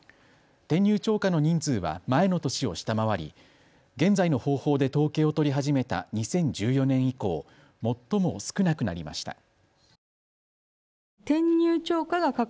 転入超過の人数は前の年を下回り現在の方法で統計を取り始めた２０１４年以降、最も少なくなりました。